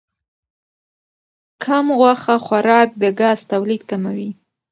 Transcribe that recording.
کم غوښه خوراک د ګاز تولید کموي.